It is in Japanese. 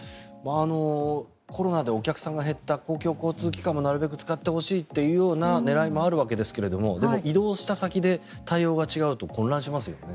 コロナでお客さんが減った公共交通機関もなるべく使ってほしいという狙いもあるようですがでも移動した先で対応が違うと混乱しますよね。